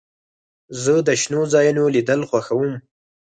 زه د شنو ځایونو لیدل خوښوم.